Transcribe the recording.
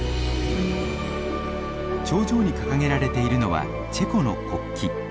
頂上に掲げられているのはチェコの国旗。